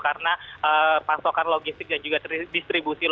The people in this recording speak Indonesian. karena pasokan logistik dan juga distribusi logistik